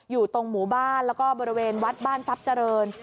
อยู่ตรงหมู่บ้านแล้วก็บริเวณวัดบ้านทรัพย์เจริญ